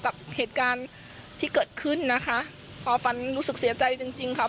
กับเหตุการณ์ที่เกิดขึ้นนะคะพอฟันรู้สึกเสียใจจริงจริงค่ะ